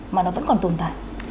mà nó vẫn còn tồn tại